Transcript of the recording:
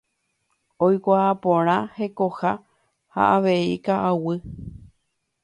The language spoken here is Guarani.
Oikuaa porã hekoha ha avei ka'aguy.